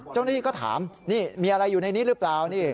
เจ้าหน้าที่ก็ถามนี่มีอะไรอยู่ในนี้หรือเปล่านี่